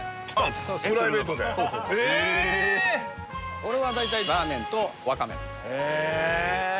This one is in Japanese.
俺は大体ラーメンとわかめのやつへえ